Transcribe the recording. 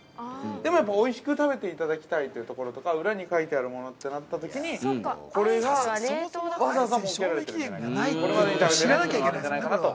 おいしく食べていただきたいというところとか裏に書いてあるものってなったときにこれが、わざわざ設けられてるんじゃないかなと。